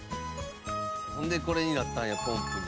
ほんでこれになったんやポンプに。